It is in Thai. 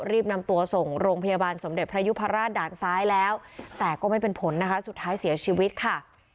รีบนำตัวส่งโรงพยาบาลสมเด็จพระยุพราชด่านซ้ายแล้วแต่ก็ไม่เป็นผลนะคะสุดท้ายเสียชีวิตค่ะ